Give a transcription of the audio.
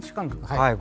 はい。